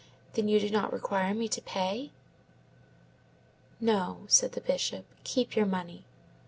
Then you do not require me to pay?" "No," said the Bishop; "keep your money.